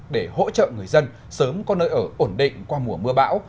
để hỗ trợ người dân sớm có nơi ở ổn định qua mùa mưa bão